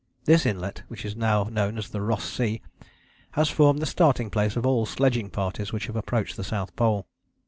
This inlet, which is now known as the Ross Sea, has formed the starting place of all sledging parties which have approached the South Pole.